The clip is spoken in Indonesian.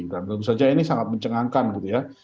dan tentu saja ini sangat mencengangkan gitu ya